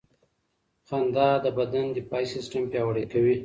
خندا د بدن دفاعي سیستم پیاوړی کوي.